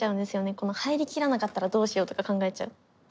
入りきらなかったらどうしようとか考えちゃう。